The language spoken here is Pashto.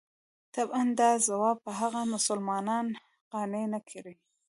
طبعاً دا ځواب به هغه مسلمانان قانع نه کړي.